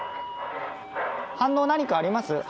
反応何かあります？